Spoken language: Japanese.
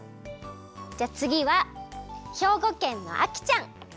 じゃあつぎは兵庫県のあきちゃん。